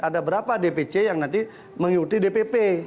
ada berapa dpc yang nanti mengikuti dpp